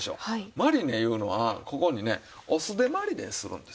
マリネいうのはここにねお酢でマリネするんですよ。